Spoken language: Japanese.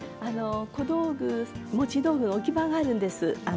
小道具、持ち道具の置き場があるんです。